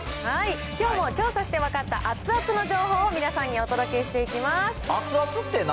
きょうも調査して分かった、熱々の情報を皆さんにお届けしていきます。